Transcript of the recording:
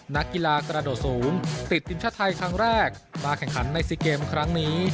นักกีฬากระโดดสูงติดทีมชาติไทยครั้งแรกมาแข่งขันในซีเกมครั้งนี้